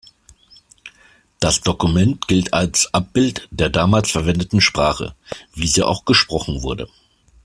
Das Dokument gilt als Abbild der damals verwendeten Sprache, wie sie auch gesprochen wurde.